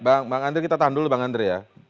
bang ander kita tahan dulu ya